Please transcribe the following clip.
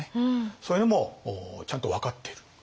そういうのもちゃんと分かっている。